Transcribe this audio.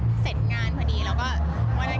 ก็เลยไปด้วยแล้วก็พูดดีค่ะ